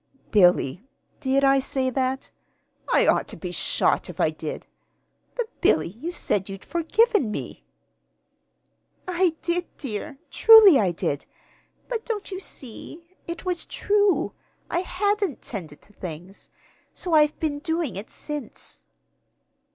"Billy, did I say that? I ought to be shot if I did. But, Billy, you said you'd forgiven me!" "I did, dear truly I did; but, don't you see? it was true. I hadn't tended to things. So I've been doing it since."